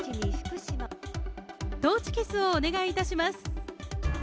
トーチキスをお願いいたします。